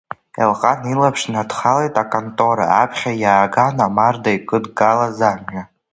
Елҟан илаԥш надхалеит аконтора аԥхьа ииаган амарда икыдгалаз амҩа…